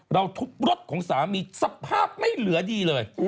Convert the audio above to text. ทุบรถของสามีสภาพไม่เหลือดีเลย